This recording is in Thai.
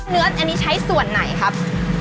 เนื้ออันนี้ใช้ส่วนไหนครับ